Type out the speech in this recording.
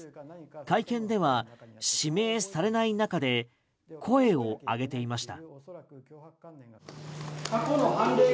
会見では、指名されない中で声を上げていました。